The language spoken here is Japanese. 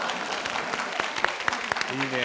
いいねえ！